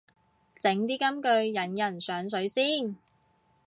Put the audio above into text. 整啲金句引人上水先